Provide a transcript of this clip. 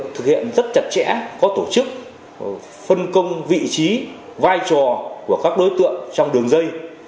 thực hiện rất chặt chẽ có tổ chức phân công vị trí vai trò của các đối tượng trong đường dây